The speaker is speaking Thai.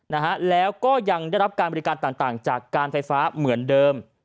นะฮะแล้วก็ยังได้รับการบริการต่างต่างจากการไฟฟ้าเหมือนเดิม